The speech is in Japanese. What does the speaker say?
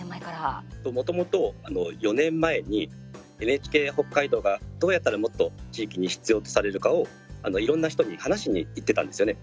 もともと４年前にＮＨＫ北海道がどうやったらもっと地域に必要とされるかをいろんな人に話しに行ってたんですよね。